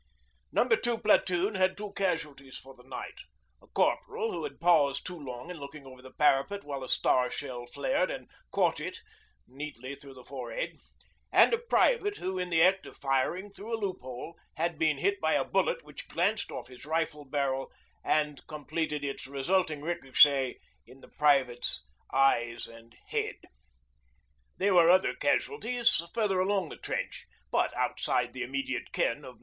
No. 2 Platoon had two casualties for the night a corporal who had paused too long in looking over the parapet while a star shell flared, and 'caught it' neatly through the forehead, and a private who, in the act of firing through a loop hole, had been hit by a bullet which glanced off his rifle barrel and completed its resulting ricochet in the private's eyes and head. There were other casualties further along the trench, but outside the immediate ken of No.